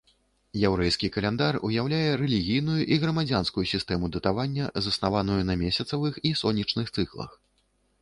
Яўрэйскі каляндар ўяўляе рэлігійную і грамадзянскую сістэму датавання, заснаваную на месяцавых і сонечных цыклах.